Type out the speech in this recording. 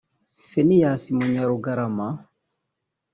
Pheneas Munyarugarama